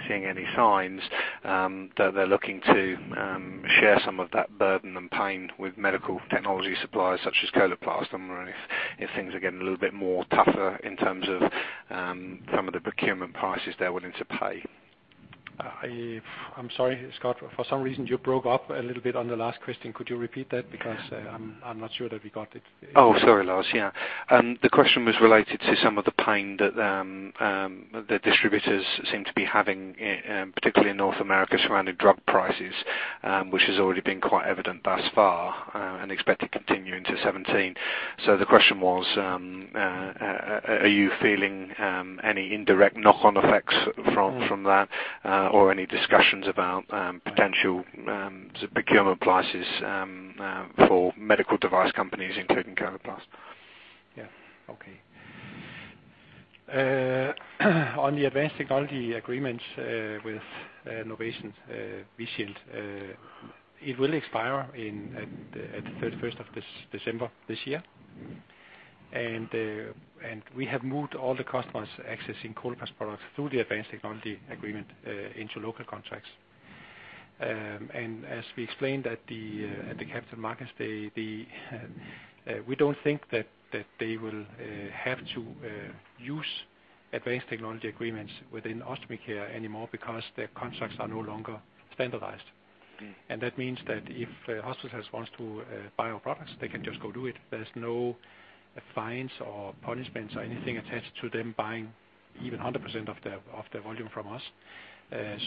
[SPEAKER 14] hearing any signs that they're looking to share some of that burden and pain with medical technology suppliers such as Coloplast, and if things are getting a little bit more tougher in terms of some of the procurement prices they're willing to pay?
[SPEAKER 1] I'm sorry, Scott. For some reason, you broke up a little bit on the last question. Could you repeat that? Because I'm not sure that we got it.
[SPEAKER 14] Oh, sorry, Lars. Yeah. The question was related to some of the pain that the distributors seem to be having, particularly in North America, surrounding drug prices, which has already been quite evident thus far, and expect to continue into 2017. The question was, are you feeling any indirect knock-on effects from that, or any discussions about potential procurement prices for medical device companies, including Coloplast?
[SPEAKER 1] Okay. On the Innovative Technology contract with Novation, Vizient, it will expire in the 31st of this December, this year. We have moved all the customers accessing Coloplast products through the Innovative Technology contract into local contracts. As we explained at the Capital Markets Day, we don't think they will have to use advanced technology agreements within Ostomy Care anymore because their contracts are no longer standardized. That means that if a hospital wants to buy our products, they can just go do it. There's no fines or punishments or anything attached to them buying even 100% of their volume from us. In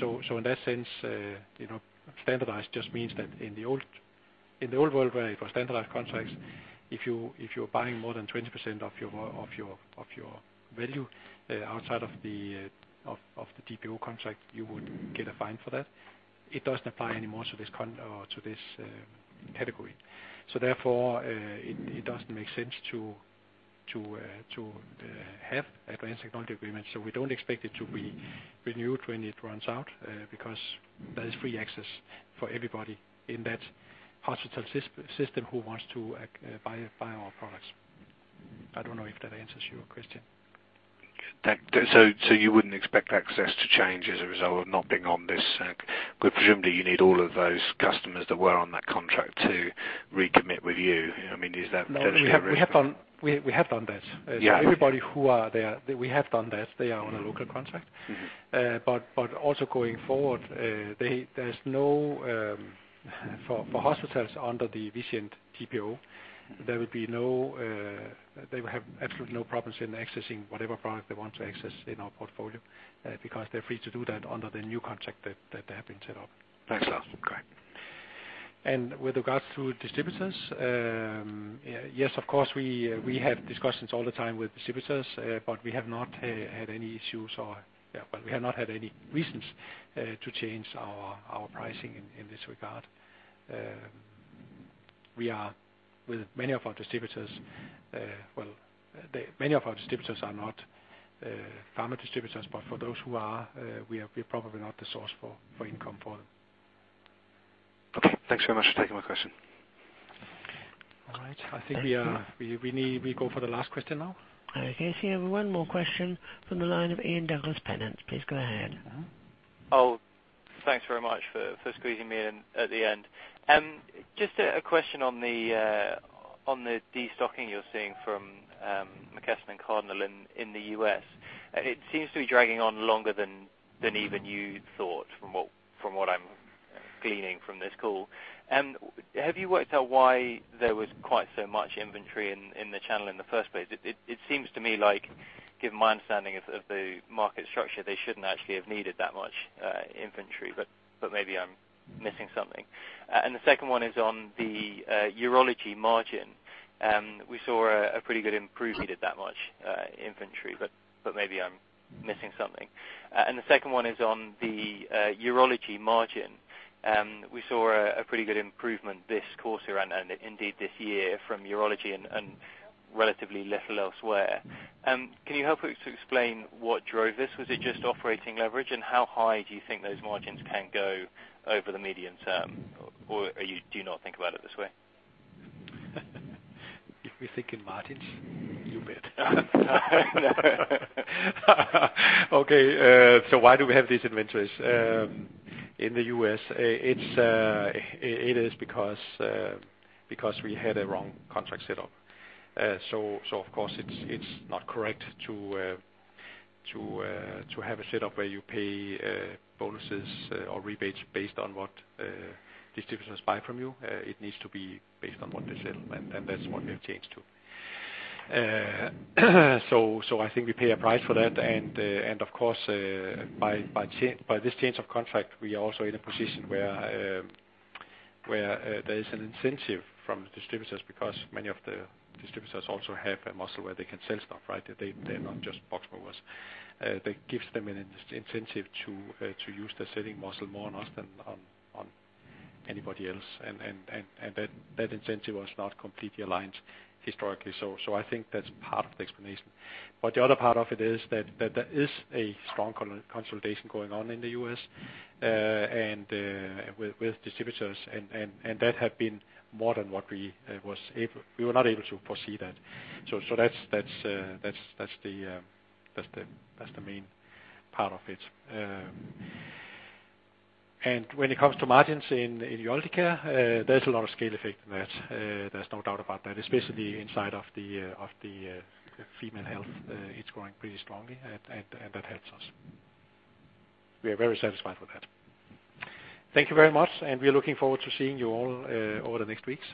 [SPEAKER 1] that sense, you know, standardized just means that in the old world, where it was standardized contracts, if you're buying more than 20% of your value, outside of the GPO contract, you would get a fine for that. It doesn't apply anymore to this category. Therefore, it doesn't make sense to have advanced technology agreements. We don't expect it to be renewed when it runs out, because there is free access for everybody in that hospital system who wants to buy our products. I don't know if that answers your question.
[SPEAKER 14] You wouldn't expect access to change as a result of not being on this, but presumably, you need all of those customers that were on that contract to recommit with you. I mean, is that?
[SPEAKER 1] We have done that.
[SPEAKER 14] Yeah.
[SPEAKER 1] Everybody who are there, we have done that. They are on a local contract.
[SPEAKER 14] Mm-hmm.
[SPEAKER 1] Also going forward, there's no, for hospitals under the Vizient GPO, there will be no, they will have absolutely no problems in accessing whatever product they want to access in our portfolio, because they're free to do that under the new contract that they have been set up.
[SPEAKER 14] Thanks, Lars. Okay.
[SPEAKER 1] With regards to distributors, yes, of course, we have discussions all the time with distributors, but we have not had any issues or, but we have not had any reasons to change our pricing in this regard. We are with many of our distributors, well, many of our distributors are not pharma distributors, but for those who are, we are probably not the source for income for them.
[SPEAKER 14] Okay, thanks very much for taking my question.
[SPEAKER 1] All right. I think we go for the last question now.
[SPEAKER 3] Okay, you have 1 more question from the line of Ian Douglas-Pennant. Please go ahead.
[SPEAKER 4] Oh, thanks very much for squeezing me in at the end. Just a question on the destocking you're seeing from McKesson and Cardinal in the U.S. It seems to be dragging on longer than even you thought, from what I'm gleaning from this call. Have you worked out why there was quite so much inventory in the channel in the first place? It seems to me like, given my understanding of the market structure, they shouldn't actually have needed that much inventory, but maybe I'm missing something. The second one is on the urology margin. We saw a pretty good improvement, that much inventory, but maybe I'm missing something. The second one is on the urology margin. We saw a pretty good improvement this quarter, and indeed, this year from Urology and relatively little elsewhere. Can you help us to explain what drove this? Was it just operating leverage, and how high do you think those margins can go over the medium term, or do you not think about it this way?
[SPEAKER 1] If we think in margins? You bet. Why do we have these inventories in the U.S.? It is because we had a wrong contract set up. Of course, it's not correct to have a setup where you pay bonuses or rebates based on what distributors buy from you. It needs to be based on what they sell, and that's what we've changed to. I think we pay a price for that, and of course, by this change of contract, we are also in a position where there is an incentive from distributors, because many of the distributors also have a muscle where they can sell stuff, right? They're not just box movers. That gives them an incentive to use their selling muscle more on us than on anybody else, and that incentive was not completely aligned historically. I think that's part of the explanation. The other part of it is that there is a strong consolidation going on in the U.S., and with distributors, and that had been more than what we were not able to foresee that. That's the main part of it. When it comes to margins in urology care, there's a lot of scale effect in that. There's no doubt about that, especially inside of the female health. It's growing pretty strongly, and that helps us. We are very satisfied with that. Thank you very much, and we are looking forward to seeing you all over the next weeks.